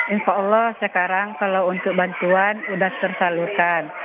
insya allah sekarang kalau untuk bantuan sudah tersalurkan